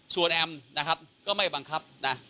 ส่วนแอมนะครับก็ไม่บังคับนะ